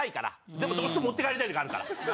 でもどうしても持って帰りたいときあるから。